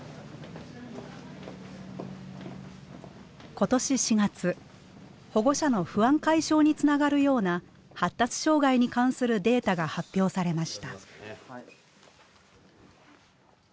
今年４月保護者の不安解消につながるような発達障害に関するデータが発表されました。